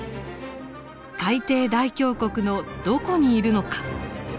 海底大峡谷のどこにいるのか。